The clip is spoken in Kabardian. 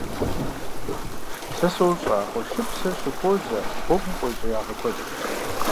Сэ сощӀэ, а къуршыпсыр щыхуозэ гъуэгум къуейщӀеягъэ куэд.